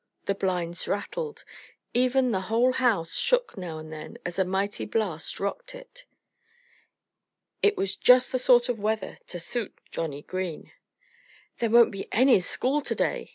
The blinds rattled. Even the whole house shook now and then as a mighty blast rocked it. It was just the sort of weather to suit Johnnie Green. "There won't be any school to day!"